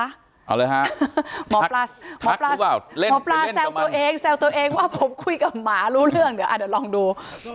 เอาเลยฮะหมอปลาหมอปลาแซวตัวเองแซวตัวเองว่าผมคุยกับหมารู้เรื่องเดี๋ยวลองดู